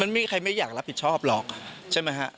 ไม่มีใครไม่อยากรับผิดชอบหรอกใช่ไหมฮะ